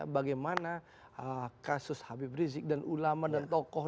bagaimana kasus habib rizik dan ulama dan tokoh